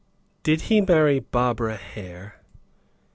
"Did he marry Barbara Hare?"